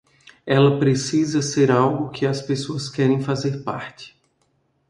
Ela precisa ser algo que as pessoas querem fazer parte.